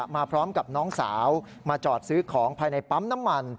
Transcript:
มาพร้อมกับน้องสาวมาจอดซื้อของภายในปั๊มน้ำมัน